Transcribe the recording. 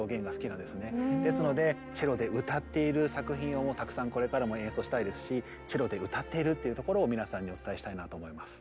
ですのでチェロで歌っている作品をたくさんこれからも演奏したいですしチェロで歌っているっていうところを皆さんにお伝えしたいなと思います。